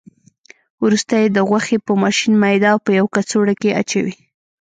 وروسته یې د غوښې په ماشین میده او په یوه کڅوړه کې اچوي.